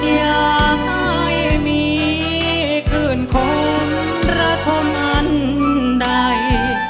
ย่าให้มีคืนคนระทงอันใด